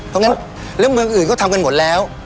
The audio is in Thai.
เพราะงั้นเรื่องเมืองอื่นก็ทำกันหมดแล้ว